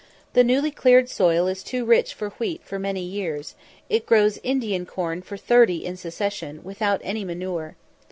The newly cleared soil is too rich for wheat for many years; it grows Indian corn for thirty in succession, without any manure.